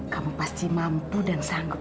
kamu pasti mampu dan sanggup